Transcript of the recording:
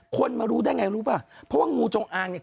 คนมารู้ได้ไงรู้ป่ะเพราะว่างูจงอางเนี่ย